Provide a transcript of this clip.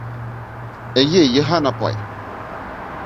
Эйе, Йыһан апай!